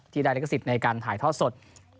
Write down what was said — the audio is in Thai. ได้ลิขสิทธิ์ในการถ่ายทอดสด